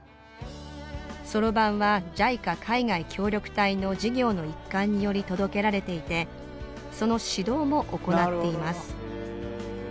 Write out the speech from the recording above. そろばんはＪＩＣＡ海外協力隊の事業の一環により届けられていてその指導も行っています